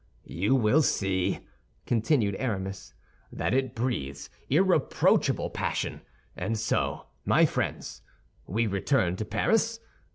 "You will see," continued Aramis, "that it breathes irreproachable passion. And so, my friends, we return to Paris?